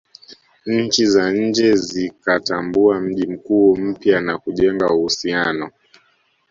Nchi za nje zikatambua mji mkuu mpya na kujenga uhusiano